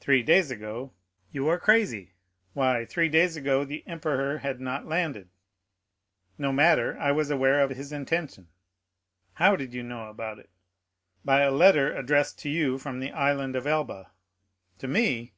"Three days ago? You are crazy. Why, three days ago the emperor had not landed." "No matter, I was aware of his intention." "How did you know about it?" "By a letter addressed to you from the Island of Elba." "To me?"